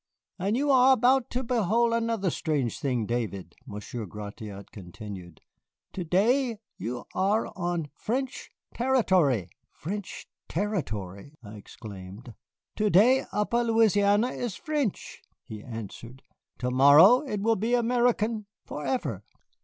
"And you are about to behold another strange thing, David," Monsieur Gratiot continued. "To day you are on French territory." "French territory!" I exclaimed. "To day Upper Louisiana is French," he answered. "To morrow it will be American forever.